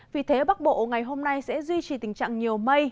vì thế bắc bộ ngày hôm nay sẽ duy trì tình trạng nhiều mây